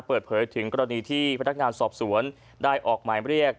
เปิดเผยถึงกรณีที่พนักงานสอบสวนได้ออกหมายเรียก